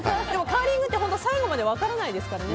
カーリングって最後まで分からないですからね。